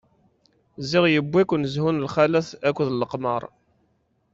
Ziɣ yewwi-ken zhu n lxalat akked leqmeṛ.